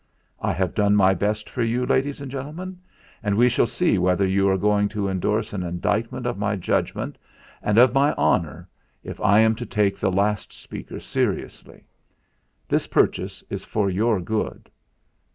I have done my best for you, ladies and gentlemen, and we shall see whether you are going to endorse an indictment of my judgment and of my honour, if I am to take the last speaker seriously. This purchase is for your good.